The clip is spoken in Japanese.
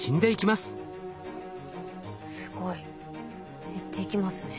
すごい。減っていきますね。